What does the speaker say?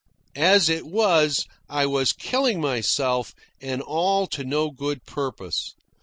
As it was, I was killing myself, and all to no good purpose.